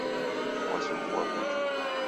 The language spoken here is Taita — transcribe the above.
Kwazoghua putu